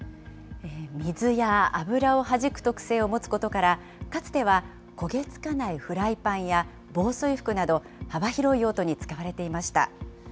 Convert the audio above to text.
水や油をはじく特性を持つことから、かつては焦げつかないフライパンや、防水服など幅広い用途に使われていました。